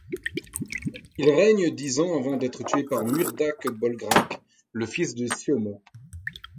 Il règne dix ans avant d'être tué par Muiredach Bolgrach le fils de Siomón.